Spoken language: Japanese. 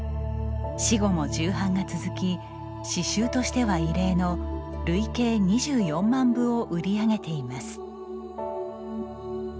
死後も重版が続き詩集としては異例の累計２４万部を売り上げています。